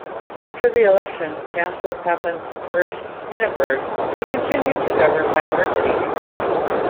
After the election, Chancellor Papen urged Hindenburg to continue to govern by emergency decrees.